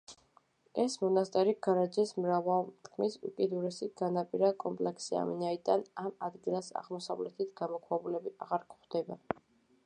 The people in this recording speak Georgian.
ეს მონასტერი გარეჯის მრავალმთის უკიდურესი განაპირა კომპლექსია, ვინაიდან ამ ადგილას აღმოსავლეთით გამოქვაბულები აღარ გვხვდება.